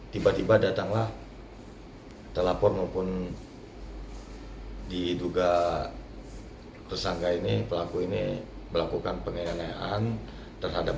tiba tiba datanglah telapor maupun diduga tersangka ini pelaku ini melakukan penganyaan terhadap